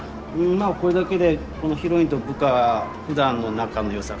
まあこれだけでこのヒロインと部下ふだんの仲のよさ